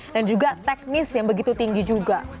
dan juga teknis yang begitu tinggi juga